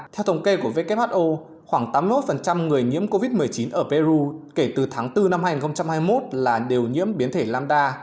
theo thống kê của who khoảng tám mươi một người nhiễm covid một mươi chín ở peru kể từ tháng bốn năm hai nghìn hai mươi một là đều nhiễm biến thể lamda